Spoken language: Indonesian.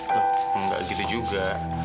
loh enggak gitu juga